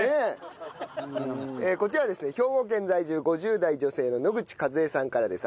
こちらはですね兵庫県在住５０代女性の野口和恵さんからです。